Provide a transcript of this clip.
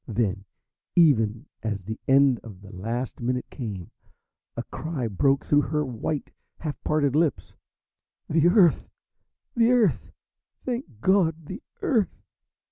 Then, even as the end of the last minute came, a cry broke through her white, half parted lips: "The Earth, the Earth thank God, the Earth!"